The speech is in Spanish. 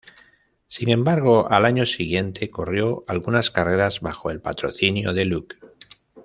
Sin embargo al año siguiente corrió algunas carreras bajo el patrocinio de Look.